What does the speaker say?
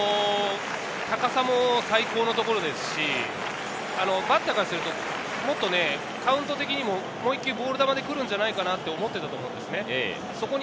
高さも最高のところですし、バッターからすると、もっとカウント的にも１球、ボール球で来るんじゃないかと思っていると思うんですよね。